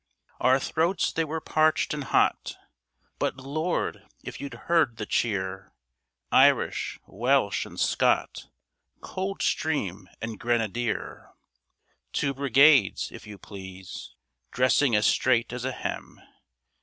Our throats they were parched and hot, But, Lord! if you'd heard the cheer, Irish, Welsh and Scot, Coldstream and Grenadier Two Brigades, if you please, Dressing as straight as a hem.